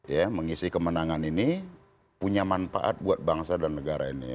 ya mengisi kemenangan ini punya manfaat buat bangsa dan negara ini